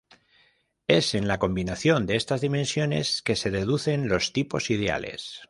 Es en la combinación de estas dimensiones que se deducen los tipos ideales.